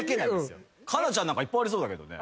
佳奈ちゃんなんかいっぱいありそうだけどね。